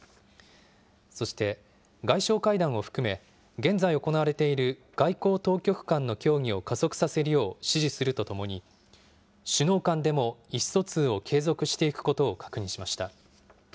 そして、外相会談を含め、現在行われている外交当局間の協議を加速させるよう指示するとともに、首脳間でも意思疎通を継続していくことを確認しました。